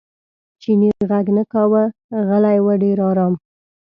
چیني غږ نه کاوه غلی و ډېر ارام.